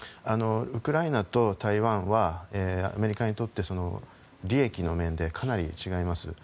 ウクライナと台湾はアメリカにとって利益の面でかなり違います。